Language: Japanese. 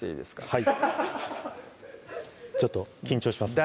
はいちょっと緊張します